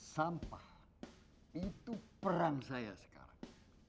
sampah itu perang saya sekarang